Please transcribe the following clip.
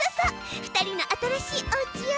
２人の新しいおうちよ。